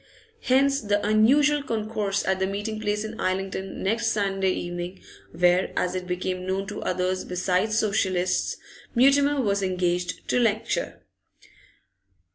Hence the unusual concourse at the meeting place in Islington next Sunday evening, where, as it became known to others besides Socialists, Mutimer was engaged to lecture.